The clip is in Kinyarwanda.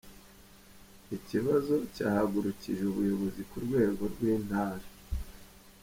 Ikibazo cyahagurukije ubuyobozi ku rwego rw’Intara.